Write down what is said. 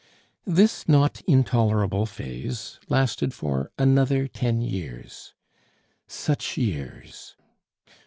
This not intolerable phase lasted for another ten years. Such years!